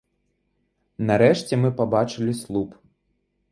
Нарэшце мы пабачылі слуп.